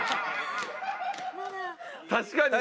確かにね。